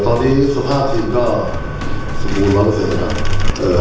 ตอนนี้สภาพทีมก็สมบูรณ์มากกว่าเสร็จครับ